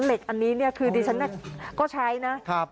เหล็กอันนี้คือดิฉันก็ใช้นะครับ